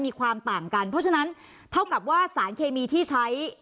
มีความต่างกันเพราะฉะนั้นเท่ากับว่าสารเคมีที่ใช้